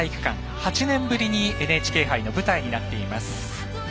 ８年ぶりにＮＨＫ杯の舞台になっています。